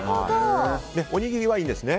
おにぎりはいいんですね。